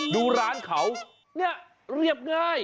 ดูร้านเขาเนี่ยเรียบง่าย